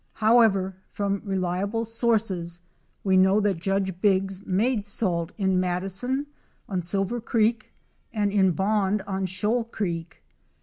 However, from reliable sources we know that Judge Biggs made salt in Madison, on Silver creek, and in Bond on Shoal creek.